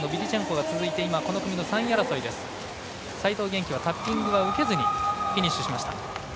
齋藤元希はタッピングを受けずフィニッシュ。